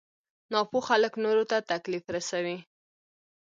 ناپوه خلک نورو ته تکليف رسوي.